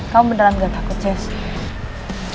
kamu beneran gak takut